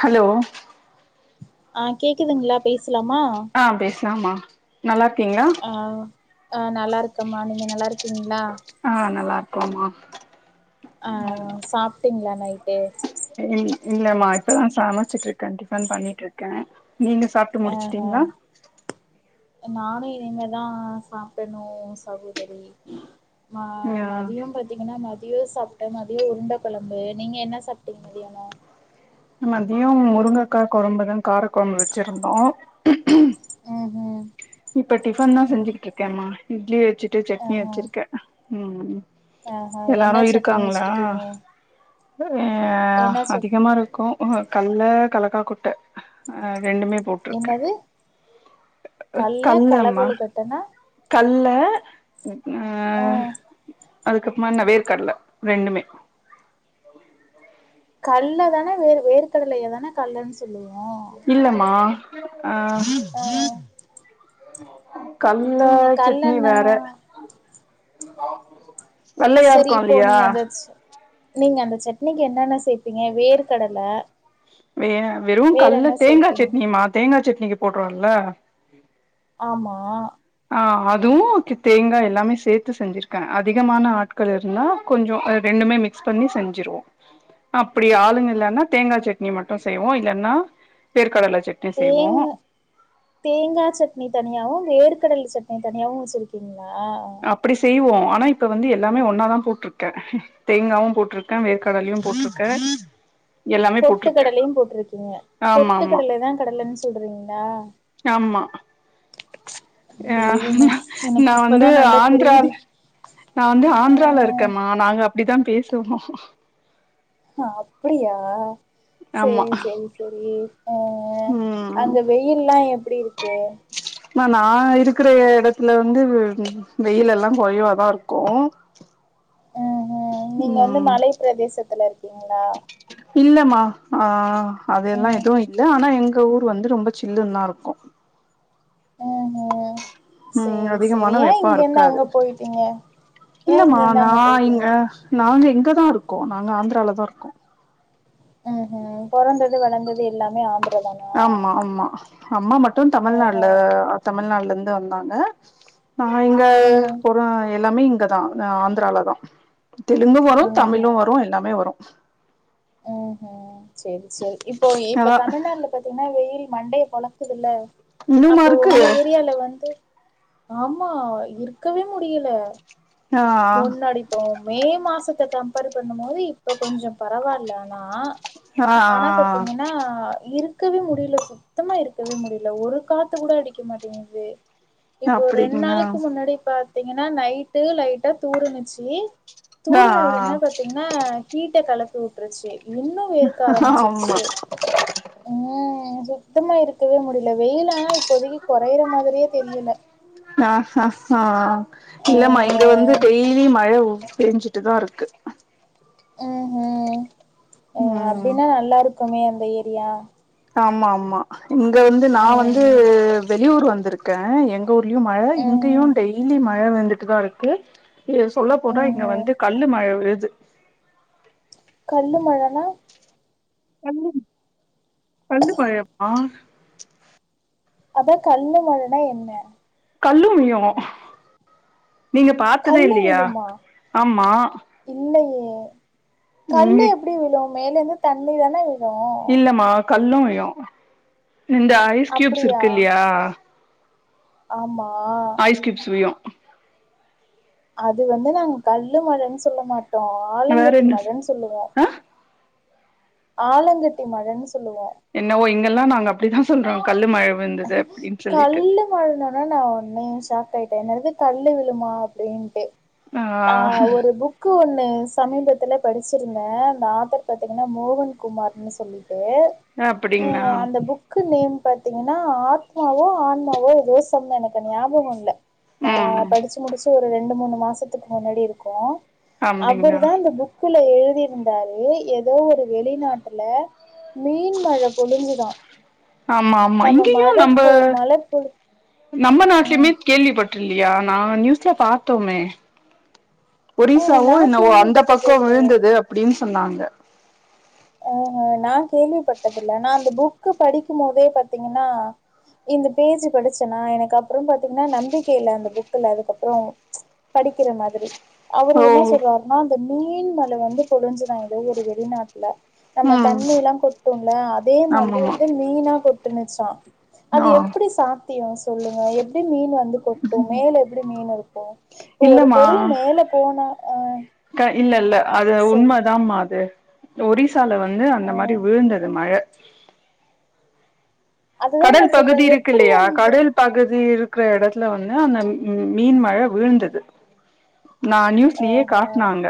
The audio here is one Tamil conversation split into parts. ஹலோ ஆ கேக்குதுங்ளா பே ஆ பேசலா மா நல்லாருக்கீங்ளா ஆ ஆ நல்லாருக்கம்மா நீங்க நல்லாருக்கீங்ளா ஆ நல்லாருக்கோம்மா ஆ சாப்ட்டீங்ளா நைட்டு செரி இல்லமா இப்பதா சமைச்சிட் இருக்க டிஃபன் பண்ணிட்ருக்க நீங்க சாப் அ ஹ நானு இனிமேதா சாப்டன்னு சகோதரி நா ஆ மதியோ பாத்தீங்கனா மதியோ சாப்ட்ட மதியோ உருண்ட கொழம்பு நீங்க என்ன சா சாப்டிங்க மதியானோ மதியோ முருங்கக்கா கொழம்பு தா கார கொழம்பு வச்சிருந்தோ ம்ஹூம் இப்ப டிஃபன் தா செஞ்சுகிட்டு இருக்கேமா இட்லி வச்சிட்டு சட்னி ஆஹா வச்சிருக்கே ம் ஆஹா எல்லாரு என்ன சட்னி இருக்காங்ளா வச்சிருக்கீங்க ஆ என்ன சட் அதிகமா இருக்கு உ ங்க கல்ல கல்லக்கா கொட்ட ரெண்டுமே போட்டு என்னது கல்ல கல்லம்மா கல்லக்கொழுக்கட்டனா கல்ல ஆ அ அதுக்கப்றமா என்ன வேர் கடல ரெண்டுமே கல்ல தான வேர் வேர்கடலைய தான கல்லன் சொல்லுவோ இல்லம்மா அ கட்ல நீங்க சட்னி கல்லன்னா வேற வெள்ளையா சரி இருக்கு இப்போ இல்லியா நீங்க அந்த நீங்க அந்த சட்னிக்கு என்னென்ன சேப்பீங்க வேர் கடல வெ வெறு கட்ல்ல தேங்கா சேப்பீங்க சட்னிமா தேங்கா சட்னிக்கு போட்றோல்ல ஆமா ஆ அதுவு தேங்கா எல்லாமே சேத்து செஞ்சிருக்கே அதிகமான ஆட்கள் இருந்தா கொஞ்சோ ரெண்டுமே மிக் ஸ் பண்ணி செஞ்சிருவோ அப்டி ஆளுங்க இல்லன்னா தேங்கா சட்னி மட்டு செய்வோ இல்லன்னா வேர்கடல சட்னி செய்வோ தேங்க தேங்கா சட்னி தனியாவு வேர்கடல சட்னி தனியாவு வச்சிருக்கீங்களா அப்டி செய்வோ ஆனா இப்ப வந்து எல்லாமே ஒன்னாதா போட்டுருக்க தேங்காவு போட்ருக்கே வேர்கடலயு போட்ருக்கே எல்லாமே பொட்டு போட்ருக்கே கடலயு போட்ருக்கீங்க ஆமா பொட்டு ஆமா கடலையதா கடலன்னு சொல்றீங்களா ஆமா அ தெய்வமே எனக்கு நா இப்பதா வந்து நல்லா ஆந்திரா புரியுது நா வந்து அ ஆந்திரால இருக்கமா நாங்க அப்டிதா பேசுவோ அ அப்படியா ஆமா சேரி சேரி சேரி அ அ ம் அங்க வெயில்லா எப்டி இருக்கு ம்மா நா இருக்குற எடத்துல வந்து வெயில் எல்லா கொறைவாதா இருக்கூ ம் ம் நீங்க வந்து மலை பிரதேசத்துல இருக்கீங்களா இல்லமா ஆ அதெல்லா ம் எதுவு இல்ல ஆனா எங்க ஊர் வந்து ரொம்ப சில்லுன்னு தா இருக்கூ ம் ம் ம் சேரி சேரி அதிகமான ஏ வெப்போ இங்கேருந்து இருக்காது அங்க போயிட்டீங்க ஏ இல்லமா இங்கேருந்து நா அங்க போயிட்டீங்க இங்க நாங்க இங்கதா இருக்கோ நாங்க ஆந்திரால தா இருக்கோ ம் ம் பொறந்தது வந் ஆமா ஆமா அம்மா மட்டு ம் தமிழ்நாடுல ம் தமிழ்நாடுல இருந்து வந்தாங்க நா இங்க ம் பொற எல்லாமே இங்கதா நா ஆந்திரால தா தெலுங்கும் வரு ம் தமிழு ம் வரு எல்லாமே வரு ம் ம் சரி சரி இப்போ இப்ப அதா தமிழ்நாட்டுல பாத்தீங்கன்னா வெயில் மண்டய பொழக்குதுல்ல இன்னுமா அப்போ இருக்கு உங்க ஏரியால வந்து ஆமா இருக்கவே முடியல ஆ முன்னாடி இப்போ மே மாசத்த கம்பேர் பண்ணும் போது இப்ப கொஞ்சோ பரவால்ல ஆனா ஆ ஆ ஆனா பாத்தீங்கன்னா இருக்கவே முடியல சுத்தமா இருக்கவே முடியல ஒரு காத்து கூட அடிக்க மாட்டேங்குது இப்போ ரெண்டு அப்டிங்களா நாளைக்கு முன்னாடி பாத்தீங்கன்னா நைட்டு லைட்டா தூருனுச்சு ஆ தூறுன உடனே பாத்தீங்கன் னா ஹீட்ட கலப்பி விட்டுருச்சு இன்னும் வேர்க்க ஆ ஆமா ஆரம்பிச்சிருச்சு ம் சுத்தமா இருக்கவே முடியல வெயிலு ஆனா இப்போதைக்கு கொறையற மாதிரியே தெரியல ஆ ஹா ஹா ஆ இல்லமா இங்க வந்து டெய்லி மழ ஊத்தி பெஞ்சுட்டு தா இருக்கு ம் ம் ம் அப்டின்னா நல்லா இருக்குமே அந்த ஏரியா ஆமா ஆமா இங்க வந்து நா வந்து ம் வெளியூர் வந்திருக் கே எங்க ஊர்லயு மழ இங்கேயு ம் ம் டெய்லி மழ வந்துட்டு தா இருக்கு சொல்ல போனா இங்க ம் வந்து கல்லு மழ விழுது கல்லு மழனா [inaudible] சொல்லு படையப்பா அதா கல்லு மழனா என்ன கல்லு விழு நீங்க பாத்ததே இல்லயா ஆமா இல்லயே கல்லு இங்க எப்படி விழு மேலருந்து தண்ணி தானே விழு இல்லமா கல்லு விழும் இந்த ஐஸ் கியூப்ஸ் அப்டியா இருக்கு இல்லையா ஆமா ஐஸ் கியூப்ஸ் விழு அது வந்து நாங்க கல்லு மழைன்னு சொல்ல மாட்டோ வேற ஆலங்கட்டி என்ன மழைன்னு சொல்லுவோ ஆ ஆலங்கட்டி மழைன்னு சொல்லுவோ என்னவோ இங்கெல்லா நாங்க அப்புடிதா சொல்றோ கல்லு மழை கல்லு மாழைன்னொன்னே நா உடனே ஷாக் ஆயிட்டே என்னது கல் விழுமா அப்டின்ட்டு ஆ ஒரு புக் க்கு ஒன்னு சமீபத்துல படிச்சிருந்தே அந்த ஆதர் பாத்தீங்கன்னா மோகன் குமார்ன்னு சொல்லி ட்டு அப்டிங்களா புக் நேம் பாத்தீங்கன்னா ஆத்மாவோ ஆன்மாவோ ஏதோ செம்ம எனக்கு ஞாபக இல்ல நா ம் படிச்சு முடிச்சு ஒரு ரெண்டு மூணு மாசத்துக்கு முன்னாடி இருக்கு அவர் அப்டிங்களா தா இந்த புக்குல எழுதிருந்தாரு ஏதோ ஒரு வெளிநாட்டுல மீன் மழை பொழிஞ்சுதா ஆமா ஆமா நம்ம இங்கேயு மழ நம்ப பொ மழ பொழு நம்ம ம் நாட்டுலயுமே கேள்விப்பட்டுல்லியா நாங்க நியூஸ்ல பாத்தோமே ஏ ஒரிசாவோ? நா என்னவோ? அந்த கேள்விப்பட்டதே பக்கம் கெடையாது விழுந்தது அப்டின்னு சொன்னாங்க! ஹூ ஹூ நா கேள்விப்பட்டதில்ல நா அந்த புக்கு படிக்கும் போதே பாத்தீங்கன்னா இந்த பேஜு படிச்சன்னா எனக்கு அப்பறோ பாத்தீங்கன்னா நம்பிக்கை இல்ல அந்த புக்குல அதுக்கப்பறம்.. படிக்கிற மாதிரி அவரு ஓ என்ன சொல்றாருன்னா அந்த மீன் மழை வந்து பொழிஞ்சுதா ஏதோ ஒரு வெளிநாட்டுல நம்ம ம் தண்ணிலா கொட்டும்ல அதே மாதிரி ஆமாமா வந்து மீனா கொட்டுனுச்சா அது ஆ எப்புடி சாத்திய சொல்லுங்க எப்டி மீன் வந்து கொட்டு மேல எப்டி மீன் இருக்கு இப்ப ஒரு இல்லமா பொருள் மேல போனா ஆ இல்ல இல்ல அது உண்மைதாமா அது ஒரிசால வந்து அந்த மாரி விழுந்தது மழை அதுதா கடல் நா சொல்றே பகுதி இருக்கு எப்டி இல்லையா அந்த கடல் பகுதி இருக்கிற இடத்துல வந்து அந்த மீன் மழை விழுந்தது நா நீயூ சிலியே காட்னாங்க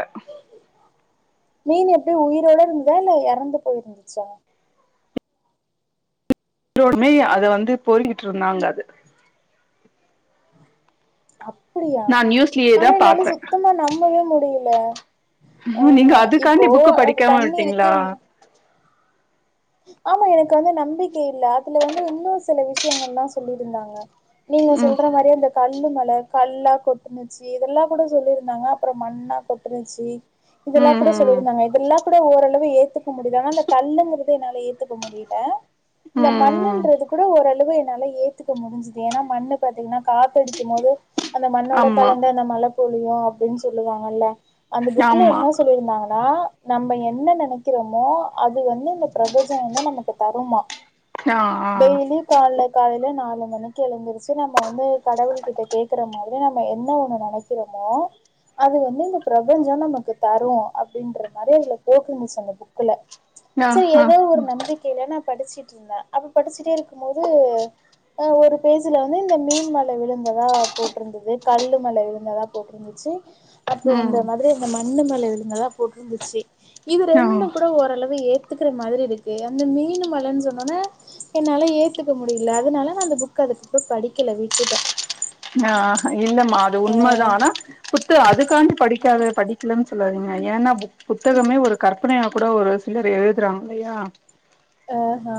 மீன் எப்டி உயிரோட இருந்ததா இல்ல இறந்து போயிருந்துச்சா உயிரோடுமே அத வந்து பொறிக்கிட்டு இருந்தாங்க அது அப்டியா நா நியூஸ்லயே தா ஆனா என்னால பாத்தே சுத்தமா நம்பவே முடியல நீங்க ஆ அதுக்காண்டி இப்போ புக்கு அப்ப படிக்காம தண்ணி விட்டீங்களா இருக்கு ஆமா எனக்கு வந்து நம்பிக்கை இல்ல அதுல வந்து இன்னு சில விஷயங்கள்ல்லா சொல்லிருந்தாங்க நீங்க ம் சொல்ற மாரி அந்த கல்லு மழை கல்லா கொட்டுனுச்சு இதெல்லா கூட சொல்லியிருந்தாங்க அப்பறோ மண்ணா கொட்டுனுச்சு இதெல்லா கூட ம் ம் சொல்லிருந்தாங்க இதெல்லா கூட ஓரளவு ஏத்துக்க முடியுது ஆனா இந்த கல்லுங்கிறது வந்து என்னால ஏத்துக்க முடியல இந்த ம் ம் மண்ணுன்றதுக் கூட ஓரளவு என்னால ஏத்துக்க முடிஞ்சது ஏன்னா மண்ணு பாத்தீங்கன்னா காத்தடிக்கும் போது அந்த மண்ணோட ஆமா கலந்த அந்த மழ பொழியும் அப்டின்னு சொல்லுவாங்கல்ல அந்த புக்ல ஆமா இன்னு சொல்லிருந்தாங்க நம்ம என்ன நினைக்கிறோமோ அது வந்து இந்த பிரபஞ்ச வந்து நமக்கு தரும்மா ஆ ஆ டெய்லி கால்ல காலையில நாலு மணிக்கு எழுந்திருச்சு நம்ம வந்து கடவுள்கிட்ட கேக்கற மாரி நம்ம என்ன ஒண்ணு நெனைக் கிறமோ அது வந்து இந்த பிரபஞ்சம் நமக்கு தரும் அப்டின்ற மாரி அதுல போட்ருந்துச்சு அந்த புக்குல ஆ செரி ஆ ஏதோ ஒரு நம்பிக்கையில நா படிச்சிட்டு இருந்தே அப்ப படிச்சிட்டே இருக்கும் போது அ ஒரு பேஜ்ல வந்து இந்த மீன் மழ விழுந்ததா போட்ருந்தது கல்லு மழ விழுந்ததா போட்ருந் ச்சு அப்புறோ இந்த ம் மாதிரி அந்த மண்ணு மழ விழுந்ததா போட்டிருந்துச்சு இது ஆ ரெண்டும் கூட ஓரளவு ஏத் த்துக்குற மாதிரி இருக்கு அந்த மீனு மழன்னு சொன்னோன என்னால ஏத்துக்க முடியல அதனால நா அந்த புக்க அதுக்கப்புற படிக்கல விட்டுட்டே ஆ இல்லம்மா அது உண்மைதா ஆனா புக்கு அதுக்காண்டி படிக்காத படிக்கலன் சொல்லாதீங்க ஏன்னா புத் புத்தகமே ஒரு கற்பனையா கூட ஒரு சிலர் எழுதுறாங்க இல்லையா அ ஹ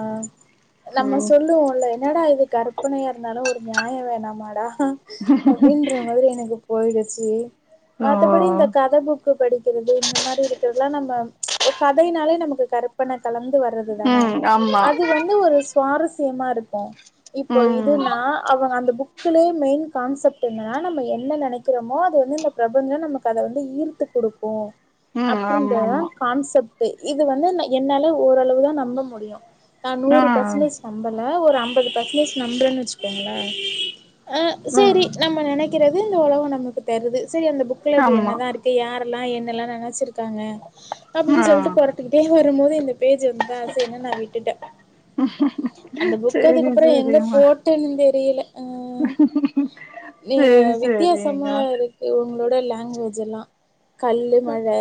நம்ம ம் சொல்லுவோல்ல என்னடா இது கற்பனையா இருந்தாலு ஒரு நியாய வேணாமாடா அப்டின்ற மாதிரி எனக்கு போய்டுச்சி மத்தபடி இந்த ஓ கத புக் கு படிக்கிறது இந்த மாரி இருக்கிறதுல்லா நம்ம கதைனாலே நமக்கு கற்பனை கலந்து வர து தானே ம் ஆமா அது வந்து ஒரு சுவாரஸ்யமா இருக்கு இப்போ இது ம் நா அவங்க அந்த புக் குலே மெயின் கான்செப்ட் என்னனா நம்ம என்ன நெனைக்கிறோமோ அது வந்து இந்த பிரபஞ்சம் நமக்கு அதை வந்து ஈர்த்து குடுக்கு ம் ஆமா அப்டின்றதுதா ஆமா கான்செப்ட்டே இது வந்து என்னால ஓரளவுதா நம்ப முடியும் நா ஆ நூறு பர்சன்டேஜ் நம்பல ஒரு அம்பது பர்சன்டேஜ் நம்புறேன்னு வச்சுக்கோங்களே ஆ சேரி ம் நம்ம நினைக்கிறது இந்த உழவு நமக்கு தருது சரி அந்த புக்ல அப்படி ஆமா என்னதா இருக்கு யாரெல்லா என்னெல்லா நினைச்சிருக்காங்க ஆ அப்படின்னு சொல்லிட்டு புறட்டுக்கிட்டே வரும்போது இந்த பேஜ் வந்ததா சேரினு நா விட்டுட்டே அந்த புக் சேரி அதுக்குப்புற எங்க சேரிம்மா போட்டேன்னு தெரியல ஆ எ சேரி வித்தியாசமா சேரிங்க இருக் கு இவுங்களோட லாங்குவேஜ் எல்லா கல்லு மழை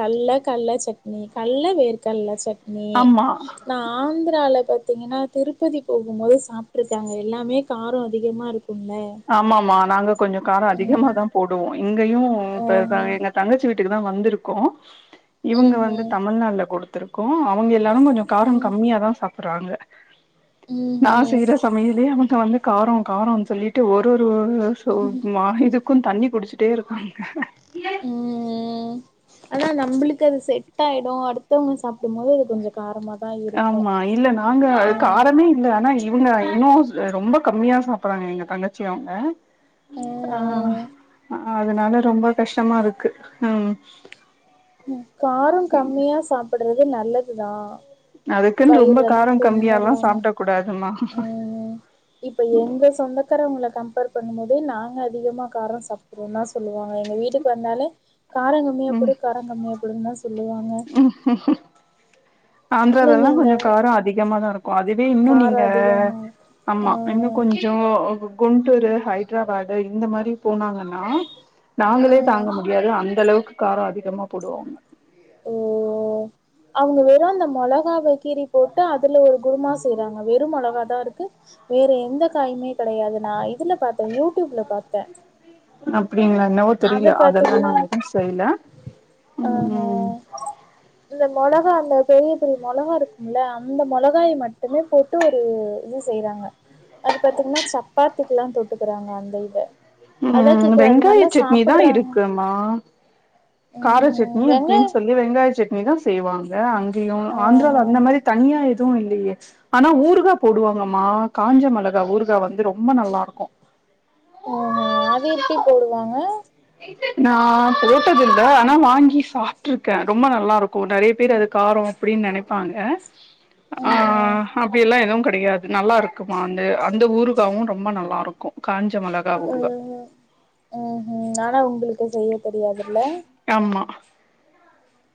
கல்ல கல்ல சட்னி கல்ல வேர்கடல சட்னி ஆமா நான் ஆந்திராவில பாத்தீங்கன்னா திருப்பதி போகும் போது சாப்பிடருக்க அங்க எல்லாமே காரம் அதிகமா இருக்கு கும்ல ஆமாமா நாங்க கொஞ்ச காரம் அதிகமாதா போடுவோ இங்கயு ஆ இப்ப எங்க தங்கச்சி வீட் டுக்கு தா வந்திருக்கோ இவுங்க ம் வந்து ம் தமிழ்நாடுல குடுத்துருக்கோ அங்க அவுங்க எல்லாரு கொஞ்ச காரம் ம் கம்மியா தா சாப்பட்றாங்க ம் நா சாப் ம் டுகிற சமையலே அவக்கு வந்து காரம் காரம்னு சொல்லிட்டு ஒரு ஒரு மா இது க்கும் தண்ணி குடிச்சட்டே இருப்பாங்க ம் ம் ஆனா நம்மளுக்கு அது செட் ஆயிடு அடுத்தவங்க சாப்பிடும்போது அது கொஞ்ச காரமா தா இரு ஆமா இல்ல நாங்க அக்கு காரமே இல்ல ஆனா இவுங்க இன்னு ரொம்ப கம்மியா சாப்பிறாங்க எங்க தங்கச்சி அவங்க ஆ ம் அதனால ரொம்ப கஷ்டமா இருக்கு ம் காரோ கம்மியா சாப்பிடுறது நல்லதுதா அதுக்குன்னு ரொம்ப வயிறெல்லா காரோ புண்ணு கம்மியால்லா இல்லாம சாப்ட கூடாதுமா ம் இப்ப எங்க சொந்தக்காரவங்களை கம்பேர் பண்ணும் போதே நாங்க அதிகமா காரம் சாப்பிடுறவோம் தா சொல்லுவாங்க எங்க வீட்டுக்கு வந்தாலே கார கம்மியாப்போடு கார கம்மியாப்போடுன்னு தா சொல்லுவாங்க நீங்க ஆந்தராலல்லா இந்த கொஞ்ச காரோ அதிகமா தா இருக்கு அதுவே இன்னு காரோ நீங்க அதிகமா ஆ ஆமா இன்னு கொஞ் ஜோ குண்டூரு ஹைதராபாடு இந்த மாரி போனாங்கனா நாங்களே ம் தாங்க முடியாது அந்த அளவுக்கு காரோ அதிகமா போடுவோங்க ஓ அவங்க வெறு அந்த மொளகாவ வை கீறி போட்டு அதுல ஒரு குருமா செய்யறாங்க வெறு மொளகா தா இருக்கு வேற எந்த காயுமே கெடையாது நா இதுல பாத்தே யூ டி யூப் ல பாத்தே அப்டிங்களா என்னவோ அத தெரில அதெல்லா பாத்தீங்கன்னா நாங்க எதுவு செய்ல ஆஹா ம் இந்த மொளகா அந்த பெரிய பெரிய மொளகா இருக்கும்ல அந்த மொளகாய மட்டுமே போட் டு ஒரு இது செய்யறாங்க அது பாத்தீங்கனா சப்பாத்திக்கெலா தொட்டுக்கறாங்க அந்த இத அதா ம் கேக்குற அது வெங்காய நல்லா சட்னி தா சாப்புடுறாங் இருக்குமா கார சட்னி அப்டின்னு சொல்லி வெங்காய சட்னி தா செய்வாங்க அங்கேயு ஆந்திரால ஆஹா அந்த மாரி தனியா எதுவு இல்லையே ஆனா ஊர்கா போடுவாங்கம்மா காஞ்ச மொளகா ஊருகா வந்து ரொம்ப நல்லா இருக்கு ம் ம் அது எப்டி போடுவாங்க இங்க நா போட்டது இல்ல ஆனா வாங்கி சாப்ட்ருக்கே ரொம்ப நல்லா இருக்கு நெறைய பேர் அது காரோ அப்டின்னு நெனைப்பாங்க ம் ஹும் அப்டி எல்லா எதுவு கெடையாது நல்லா இருக்கு இருக்குமா வந்து அந்த ஊறுகாவு ரொம்ப நல்லா இருக்கு காஞ்சமல ஆனா உங்ளுக்கு செய்ய தெரியாதுல்ல ஆமா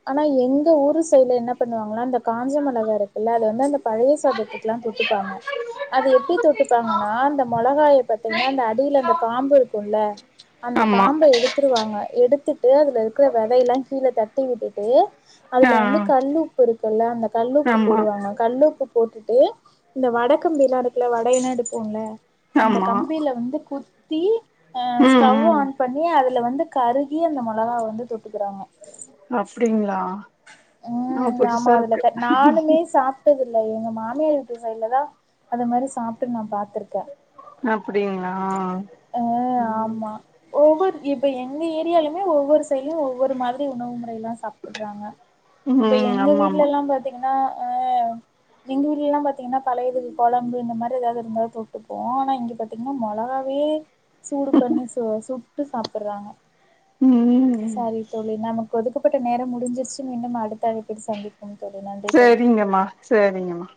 ஆனா எங்க ஊரு சைடுல என்ன பண்ணுவாங்களா அந்த காஞ்ச மொளகா இருக்குல்ல அது வந்து அந்த பழைய சாதத்துக்குலா தொட்டுப்பாங்க அது எப்டி தொட்டுப்பாங்கனா அந்த மிளகாய பாத்தீங்கனா அந்த அடில அந்த காம்பு இருக்கும்ல அந்த ஆமா காம்ப எடுத் துருவாங்க எடுத்துட்டு அதுல இருக்கற விதையெல்லா கீழ தட்டி விட்டுட்டு ஆ அதுல வந்து கல்லுப்பு இருக்குல்ல அந்த கல்லுப்பு ஆமா போடுவாங்க கல்லுப்பு போட்டுட்டு இந்த வட கம்பிலா இருக்குல வட எல்லா எடுப்போல அந்த ஆமா கம்பில வந்து குத்தி அ ம் ஸ்டவ் ம் ஆன் பண்ணி அத அதில வந்து கருகி அந்த மொளகா வந்து தொட்டுக்குறாங்க அப்டிங்களா ஆ ம் ஆமா புதுசா அதுல இருக்கு தா நானுமே சாப் டது இல்ல எங்க மாமியார் வீட்டு சைடுல தா அது மாரி சாப்ட்டு நா பாத்திருக்கே அப்டிங் அ ஆமா ஒவ்வொரு இப்ப எங்க ஏரியாலயுமே ஒவ்வொரு சைடுலயு ஒவ்வொரு மாரி உணவு முறைல்லா சாப்புடுறாங்க இப்ப ம் எங்க ஆமா ஆமா வீட்லல்லா பாத்தீங்கனா ஆ எங்க வீட்டுலல்லா பாத்தீங்கனா பழையது குழம்பு இந்த மாரி எதாவது இருந்தாலு தொட்டுப்போ ஆனா இங்க பாத்தீங் னா மொளகாவே சூடு பண்ணி சு சுட்டு சாப்புடுறாங்க ம் சரி தோழி நமக் ஒதுக்கப்பட்ட நேரம் முடிஞ்சிச்சு மீண்டும் அடுத்த அழைப்பில் சந்திப் [unintelligible] சரிங்கம்மா சரிங்கம்மா